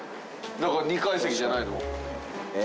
だから２階席じゃないの？え。